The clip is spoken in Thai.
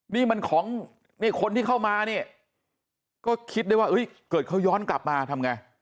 นี่มันของนี่คนที่เข้ามานี่ก็คิดได้ว่าเกิดเขาย้อนกลับมาทำไง